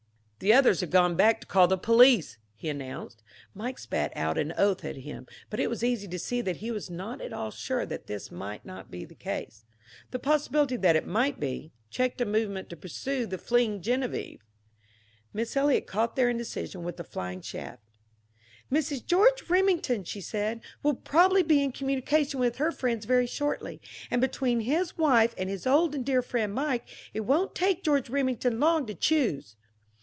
"The others have gone back to call the police," he announced. Mike spat out an oath at him, but it was easy to see that he was not at all sure that this might not be the case. The possibility that it might be, checked a movement to pursue the fleeing Geneviève. Miss Eliot caught their indecision with a flying shaft. "Mrs. George Remington," she said, "will probably be in communication with her friends very shortly. And between his wife and his old and dear friend Mike it won't take George Remington long to choose."